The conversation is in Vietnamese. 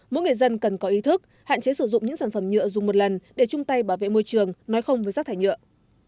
mỗi người dân cần có ý thức hạn chế sử dụng những sản phẩm nhựa dùng một lần để chung tay bảo vệ môi trường nói không với rác thải nhựa